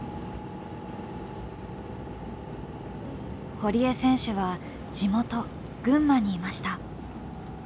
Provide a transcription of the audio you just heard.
堀江選手は地元群馬にいました。